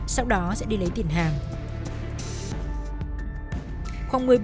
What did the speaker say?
sau đó sẽ đi lấy tiền hàng